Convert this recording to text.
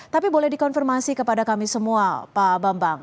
tapi boleh dikonfirmasi kepada kami semua pak bambang